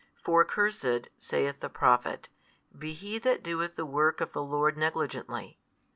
For Cursed, saith the Prophet, be he that doeth the work of the Lord negligently.